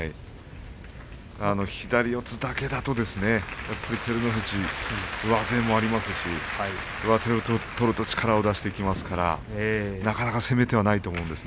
左四つだけだとやっぱり照ノ富士上背もありますし上手を取ると力を出してきますからなかなか攻め手がないと思うんです。